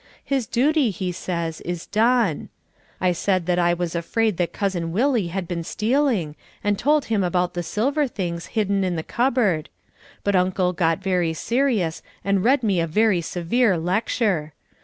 His duty, he says, is done. I said that I was afraid that Cousin Willie had been stealing and told him about the silver things hidden in the cupboard. But Uncle got very serious and read me a very severe lecture.